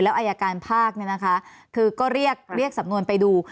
แล้วอายการภาคเนี่ยนะคะคือก็เรียกสำนวนไปดู